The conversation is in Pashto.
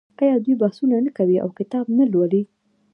آیا دوی بحثونه نه کوي او کتاب نه لوالي؟